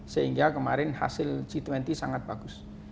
sehingga kemarin hasil g dua puluh sangat bagus